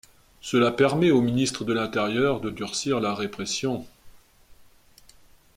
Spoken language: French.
Cela permet au ministre de l'Intérieur de durcir la répression.